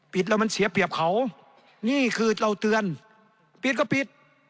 ปิดแล้วมันเสียเปรียบเขานี่คือเราเตือนปิดก็ปิด